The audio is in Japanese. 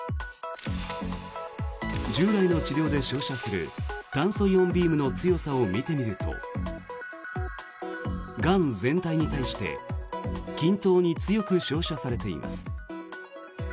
従来の治療で照射する炭素イオンビームの強さを見てみるとがん全体に対して均等に強く照射されています。